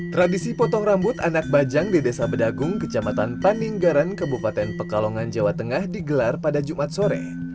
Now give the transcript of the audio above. tradisi potong rambut anak bajang di desa bedagung kecamatan paninggaran kabupaten pekalongan jawa tengah digelar pada jumat sore